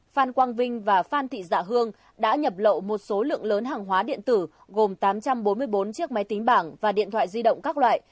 phan quang vinh và phan thị dạ hương đã nhập lậu một số lượng lớn hàng hóa điện tử gồm tám trăm bốn mươi bốn chiếc máy tính bảng và điện thoại di động các loại